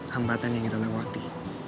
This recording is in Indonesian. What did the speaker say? hambatan yang kita lewati